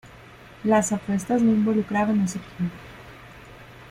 Las apuestas no involucraban a su club.